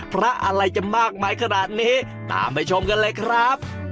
พระอะไรจะมากมายขนาดนี้ตามไปชมกันเลยครับ